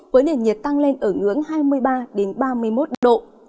với nền nhiệt tăng lên ở ngưỡng hai mươi ba ba mươi một độ